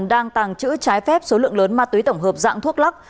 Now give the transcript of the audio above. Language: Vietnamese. đang tàng trữ trái phép số lượng lớn ma túy tổng hợp dạng thuốc lắc